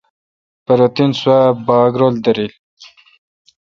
پرو تین سواب باگ رل دارل۔